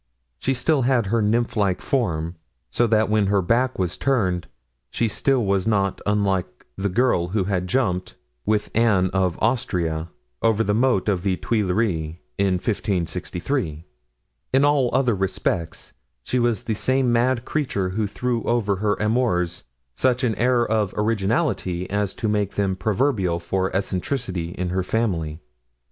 She had still her nymph like form, so that when her back was turned she still was not unlike the girl who had jumped, with Anne of Austria, over the moat of the Tuileries in 1563. In all other respects she was the same mad creature who threw over her amours such an air of originality as to make them proverbial for eccentricity in her family.